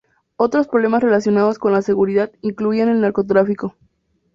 Otros problemas relacionados con la seguridad incluían el narcotráfico.